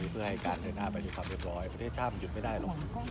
เพื่อให้การเดินหน้าไปด้วยความเรียบร้อยประเทศชาติมันหยุดไม่ได้หรอก